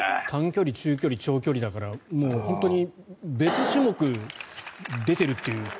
短距離、中距離長距離だから本当に別種目出てるという。